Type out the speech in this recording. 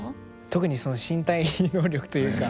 特にその身体能力というか。